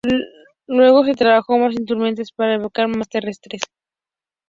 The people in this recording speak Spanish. Luego trabajó sobre instrumentos para detectar minas terrestres.